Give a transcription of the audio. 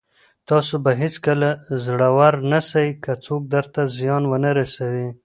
تاسو به هېڅکله زړور نسٸ، که څوک درته زيان ونه رسوي.